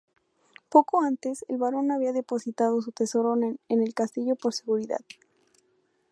Poco antes, el barón había depositado su tesoro en el castillo por seguridad.